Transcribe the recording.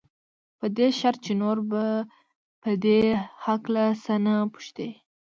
په دې شرط چې نور به په دې هکله څه نه پوښتې.